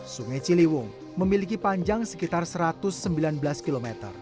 sungai ciliwung memiliki panjang sekitar satu ratus sembilan belas km